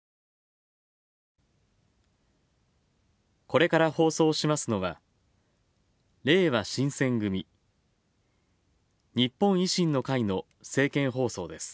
これから放送しますのは、れいわ新選組日本維新の会の政見放送です。